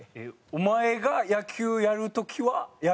「お前が野球やる時は野球やる時や」。